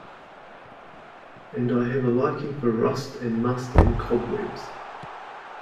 And I have a liking for rust and must and cobwebs.